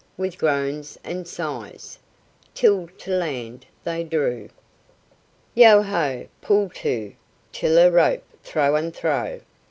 with groans and sighs, Till to land they drew. "Yeo ho! Pull to Tiller rope thro' and thro'!"